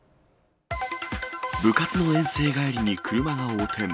部活の遠征帰りに車が横転。